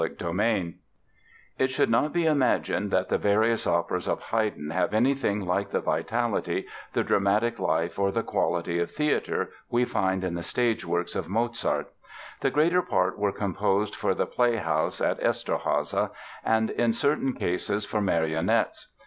It should not be imagined that the various operas of Haydn have anything like the vitality, the dramatic life or the quality of "theatre" we find in the stage works of Mozart. The greater part were composed for the play house at Eszterháza and in certain cases for marionettes.